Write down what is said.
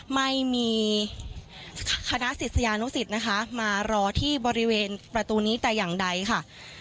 ไม่มีคณะศิษยานุสิตนะคะมารอที่บริเวณประตูนี้แต่อย่างใดค่ะ